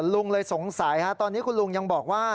ลุงเลยสงสัยตอนนี้คุณลุงยังบอกว่า